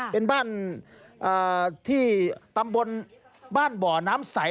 เป็นบ้านที่ตำบลบ้านบ่อน้ำใส